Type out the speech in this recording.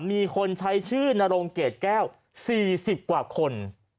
มีคนใช้ชื่อนรงเกรดแก้ว๔๐กว่าคน